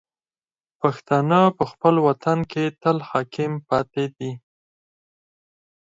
پښتانه په خپل وطن کې تل حاکم پاتې دي.